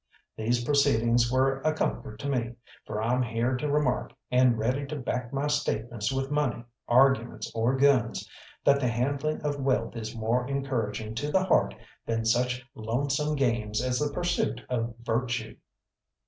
These proceedings were a comfort to me, for I'm here to remark, and ready to back my statements with money, arguments, or guns, that the handling of wealth is more encouraging to the heart than such lonesome games as the pursuit of virtue.